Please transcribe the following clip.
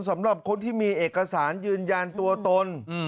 สำหรับคนที่มีเอกสารยืนยันตัวตน